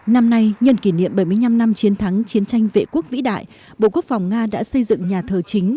năm nay nhân kỷ niệm bảy mươi năm năm chiến thắng chiến tranh vệ quốc vĩ đại bộ quốc phòng nga đã xây dựng nhà thờ chính